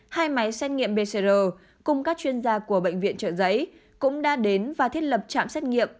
hai máy xét nghiệm pcr cùng các chuyên gia của bệnh viện trợ giấy cũng đã đến và thiết lập trạm xét nghiệm